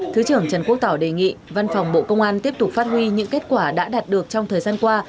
thứ trưởng trần quốc tỏ đề nghị văn phòng bộ công an tiếp tục phát huy những kết quả đã đạt được trong thời gian qua